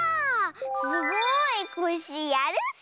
すごいコッシーやるッス。